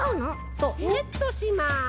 そうセットします。